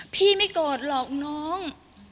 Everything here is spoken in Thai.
พี่ไม่โกรธหรอกน้อง